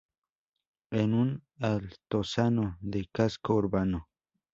En un altozano del casco urbano.